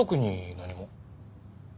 何も？